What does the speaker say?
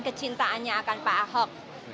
kecintaannya akan pak ahok